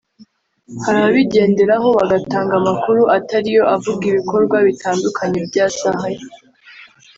hari ababigenderaho bagatanga amakuru atari yo avuga ibikorwa bitandukanye byazahaye